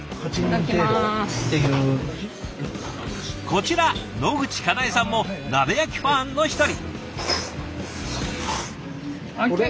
こちら野口香苗さんも鍋焼きファンの一人。